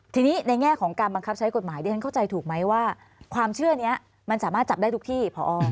ทีนี้ในแง่ของการบังคับใช้กฎหมายดิฉันเข้าใจถูกไหมว่าความเชื่อนี้มันสามารถจับได้ทุกที่พอ